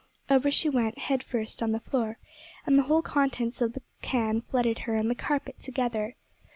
Over she went, head first, on the floor, and the whole contents of the can flooded her and the carpet together.